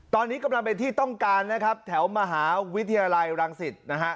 ตอนนี้กำลังเป็นที่ต้องการนะครับแถวมหาวิทยาลัยรังสิตนะฮะ